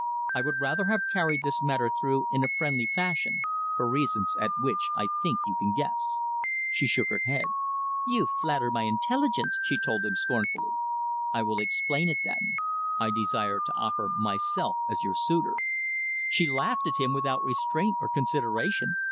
I would rather have carried this matter through in a friendly fashion, for reasons at which I think you can guess." She shook her head. "You flatter my intelligence!" she told him scornfully. "I will explain, then. I desire to offer myself as your suitor." She laughed at him without restraint or consideration.